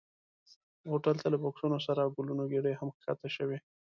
هوټل ته له بکسونو سره ګلونو ګېدۍ هم ښکته شوې.